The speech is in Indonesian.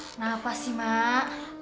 kenapa sih mak